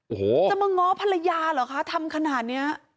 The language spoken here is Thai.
โอ้โหจะมาง้อภรรยาเหรอคะทำขนาดนี้